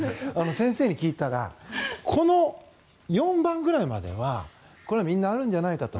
先生に聞いたらこの４番くらいまではこれはみんなあるんじゃないかと。